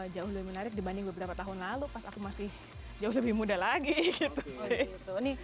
jauh lebih menarik dibanding beberapa tahun lalu pas aku masih jauh lebih muda lagi gitu sih